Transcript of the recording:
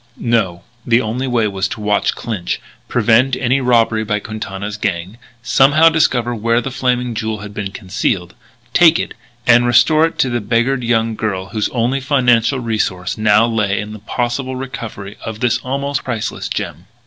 No; the only way was to watch Clinch, prevent any robbery by Quintana's gang, somehow discover where the Flaming Jewel had been concealed, take it, and restore it to the beggared young girl whose only financial resource now lay in the possible recovery of this almost priceless gem.